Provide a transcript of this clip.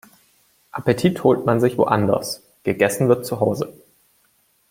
Appetit holt man sich woanders, gegessen wird zuhause.